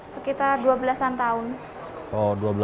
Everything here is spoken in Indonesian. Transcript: sekitar dua belas an tahun